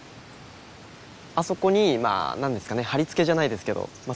あそこにまあ何ですかねはりつけじゃないですけどまあ